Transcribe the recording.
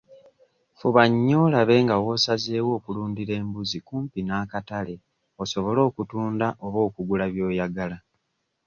Fuba nnyo olabe nga w'osazeewo okulundira embuzi kumpi n'akatale osobole okutunda oba okugula by'oyagala.